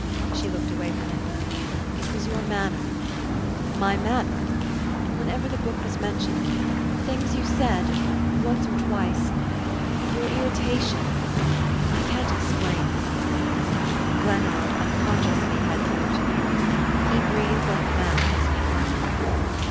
She looked away from him. "It was your manner " "My manner?" "Whenever the book was mentioned. Things you said once or twice your irritation I can't explain " Glennard, unconsciously, had moved nearer. He breathed like a man who has been running.